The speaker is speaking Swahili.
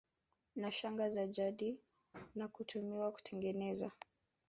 na shanga za jadi na kutumiwa kutengeneza